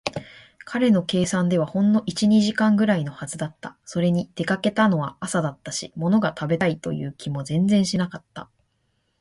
彼の計算ではほんの一、二時間ぐらいのはずだった。それに、出かけたのは朝だったし、ものが食べたいという気も全然しなかった。